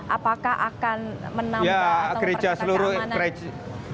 apakah akan menambah atau mempercepat keamanan